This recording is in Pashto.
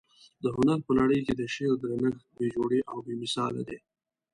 د هنر په نړۍ کي د شعر درنښت بې جوړې او بې مثاله دى.